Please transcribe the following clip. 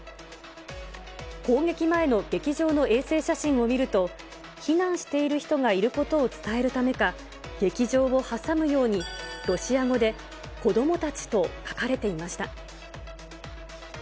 攻撃前の劇場の衛星写真を見ると、避難している人がいることを伝えるためか、劇場を挟むように、ロシア語で子どもたちと書かれていました。